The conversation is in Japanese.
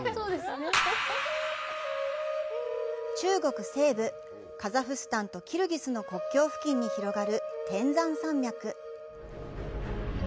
中国西部、カザフスタンとキルギスの国境付近に広がる天山山脈。